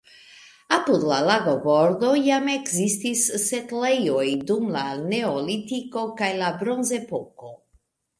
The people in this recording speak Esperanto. Apud la lagobordo jam ekzistis setlejoj dum la neolitiko kaj la bronzepoko.